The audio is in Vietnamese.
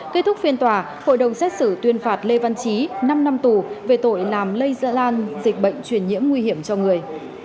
kết thúc phiên tòa hội đồng xét xử tuyên phạt lê văn trí năm năm tù về tội làm lây gia lan dịch bệnh truyền nhiễm nguy hiểm cho người